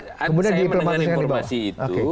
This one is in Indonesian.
saya mendengar informasi itu